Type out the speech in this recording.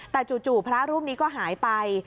แต่จู่พระรูปนี้ก็หายไป